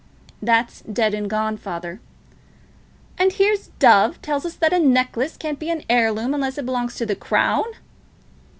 "That's done and gone, father." "And here's Dove tells us that a necklace can't be an heirloom, unless it belongs to the Crown."